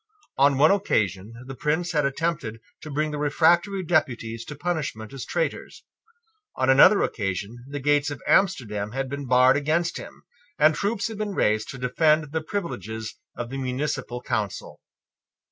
On one occasion the Prince had attempted to bring the refractory deputies to punishment as traitors. On another occasion the gates of Amsterdam had been barred against him, and troops had been raised to defend the privileges of the municipal council.